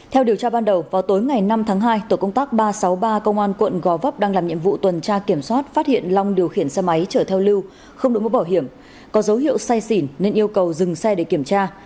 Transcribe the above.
theo điều tra ban đầu vào tối ngày năm tháng hai tổ công tác ba trăm sáu mươi ba công an quận gò vấp đang làm nhiệm vụ tuần tra kiểm soát phát hiện long điều khiển xe máy chở theo lưu không được bảo hiểm có dấu hiệu say xỉn nên yêu cầu dừng xe để kiểm tra